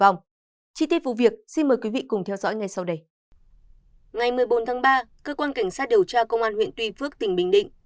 ngày một mươi bốn tháng ba cơ quan cảnh sát điều tra công an huyện tuy phước tỉnh bình định